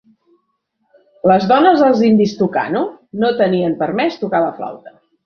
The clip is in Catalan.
Les dones dels indis Tukano no tenien permès tocar la flauta.